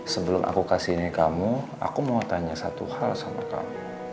sebelum aku kasih ini kamu aku mau tanya satu hal sama kamu